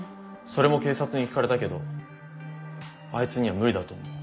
それも警察に聞かれたけどあいつには無理だと思う。